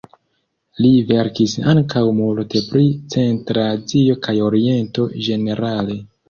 Li verkis ankaŭ multe pri Centra Azio kaj Oriento ĝenerale.